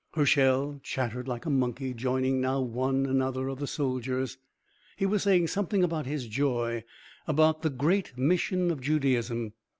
Hershel chattered like a monkey, joining now one now another of the soldiers. He was saying something about his joy, about the great mission of Judaism.